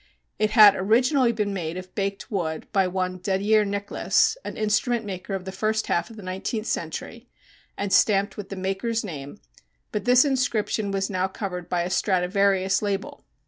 It had originally been made of baked wood by one Dedier Nicholas (an instrument maker of the first half of the nineteenth century), and stamped with the maker's name, but this inscription was now covered by a Stradivarius label.